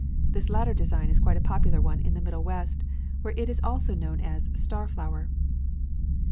This latter design is quite a popular one in the Middle West, where it is known also as "Star Flower."